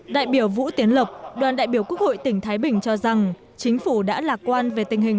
đại biểu vũ tiến lộc đoàn đại biểu quốc hội tỉnh thái bình cho rằng chính phủ đã lạc quan về tình hình